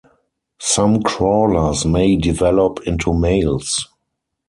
Some crawlers may develop into males.